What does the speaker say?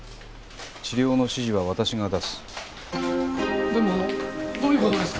治療の指示は私が出すどういうことですか？